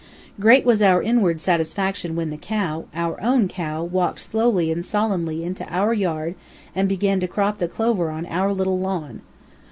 Great was our inward satisfaction when the cow, our OWN cow, walked slowly and solemnly into our yard and began to crop the clover on our little lawn.